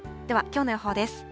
では、きょうの予報です。